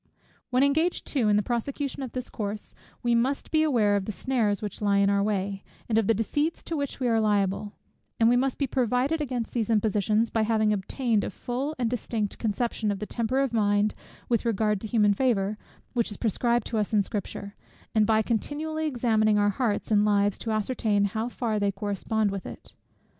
When engaged too in the prosecution of this course, we must be aware of the snares which lie in our way, and of the deceits to which we are liable: and we must be provided against these impositions, by having obtained a full and distinct conception of the temper of mind with regard to human favour, which is prescribed to us in Scripture; and by continually examining our hearts and lives to ascertain how far they correspond with it.